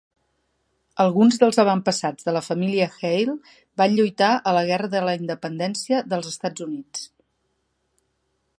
Alguns dels avantpassats de la família Haile van lluitar a la Guerra de la independència dels Estats Units.